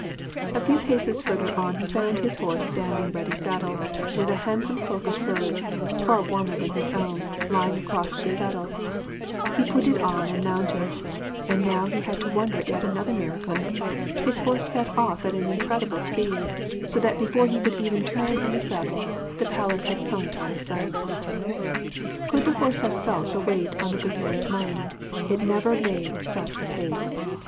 A few paces further on he found his horse standing ready saddled, with a handsome cloak of furs, far warmer than his own, lying across the saddle. He put it on and mounted, and now he had to wonder at yet another miracle. His horse set off at an incredible speed, so that before he could even turn in the saddle the palace had sunk out of sight. Could the horse have felt the weight on the good man's mind, it had never made such a pace.